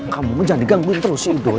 kamu jangan digangguin terus itu